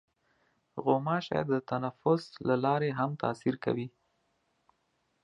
غوماشې د تنفس له لارې هم تاثیر کوي.